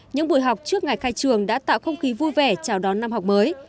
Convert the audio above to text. những buổi học trước ngày khai trường đã tạo không khí vui vẻ chào đón năm học mới